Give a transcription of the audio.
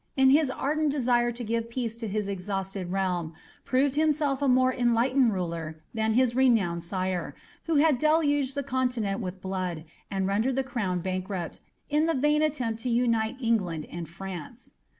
in his ardent desire to give peace to his exhausted realm, proved himself a mora co lightened ruler than hia renowned eiie, who had deluged the continual with blood, and rendered the crown bankrupt, in ihr vain attsmpl » unite England and France.